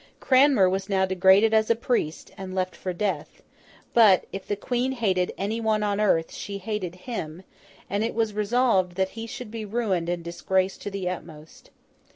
Cranmer was now degraded as a priest, and left for death; but, if the Queen hated any one on earth, she hated him, and it was resolved that he should be ruined and disgraced to the utmost.